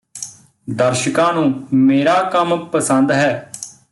ਦਰਸ਼ਕਾਂ ਨੂੰ ਮੇਰਾ ਕੰਮ ਪਸੰਦ ਹੈ